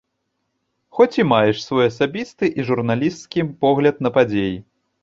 Хоць і маеш свой асабісты і журналісцкі погляд на падзеі.